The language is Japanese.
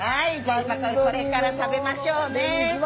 これから食べましょうね。